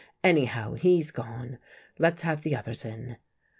Anyhow, he's gone. Let's have the others in."